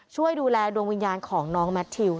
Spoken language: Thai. ช่วยดูแลดวงวิญญาณของน้องแมททิว